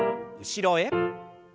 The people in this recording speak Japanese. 後ろへ。